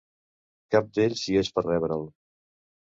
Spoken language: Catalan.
Cap d'ells hi és per rebre'l.